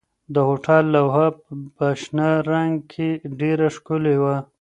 د هوټل لوحه په شنه رنګ کې ډېره ښکلې وه.